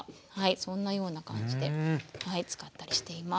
そんなような感じで使ったりしています。